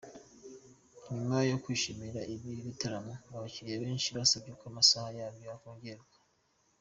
Nyuma yo kwishimira ibi bitaramo, abakiriya benshi basabye ko amasaha yabyo yakongerwa.